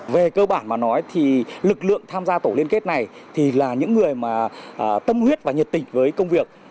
về cơ bản mà nói thì lực lượng tham gia tổ liên kết này thì là những người mà tâm huyết và nhiệt tình với công việc